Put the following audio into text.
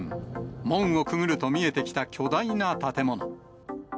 門をくぐると見えてきた巨大な建物。